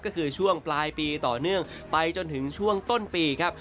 ก็คือช่วงปลายปีต่อเนื่องไปจนถึงช่วงต้นปีครับ